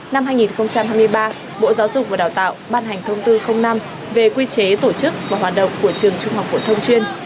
năm hai nghìn hai mươi ba bộ giáo dục và đào tạo ban hành thông tư năm về quy chế tổ chức và hoạt động của trường trung học phổ thông chuyên